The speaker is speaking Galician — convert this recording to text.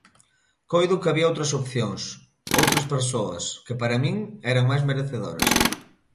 Coido que había outras opcións, outras persoas, que para min eran máis merecedoras.